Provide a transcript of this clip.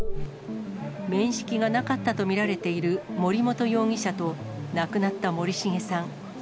面識がなかったと見られている森本容疑者と亡くなった森重さん。